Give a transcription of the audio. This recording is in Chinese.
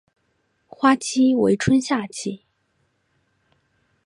花期为春夏季。